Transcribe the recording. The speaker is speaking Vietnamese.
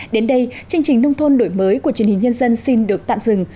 đến đây chương trình nông thôn đổi mới của truyền hình nhân dân xin được tạm dừng